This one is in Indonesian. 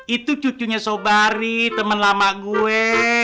itu cucunya sobari teman lama gue